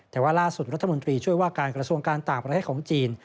แต่ว่าล่าสุดรัฐมนตรีช่วยว่าการกระทรวงการต่างประเทศของจีน